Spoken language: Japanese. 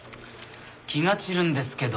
気が散るんですけど。